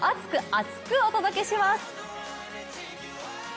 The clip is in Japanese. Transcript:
厚く！お届けします。